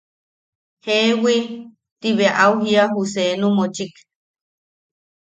–Jeewi– Ti bea au jiía ju seenu mochik.